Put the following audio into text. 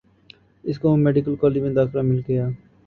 اس کو medical college میں داخلہ مل گیا